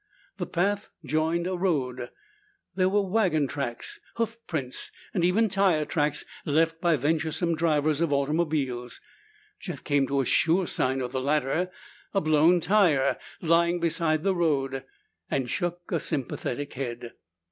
The path joined a road. There were wagon tracks, hoof prints, and even tire tracks left by venturesome drivers of automobiles. Jeff came to a sure sign of the latter, a blown tire lying beside the road, and shook a sympathetic head.